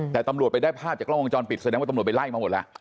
แต่ตำรวจไปได้ภาพจากกล้องวงจรปิดแสดงว่าตำรวจไปไล่มาหมดแล้ว